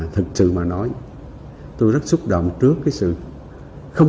từ sức phát từ tấm lòng em cảm ơn